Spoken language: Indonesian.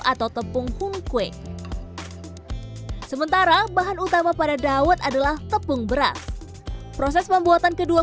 atau tepung hungkwe sementara bahan utama pada dawet adalah tepung beras proses pembuatan kedua